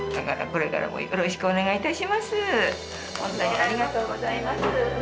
これからもよろしくお願いいたします。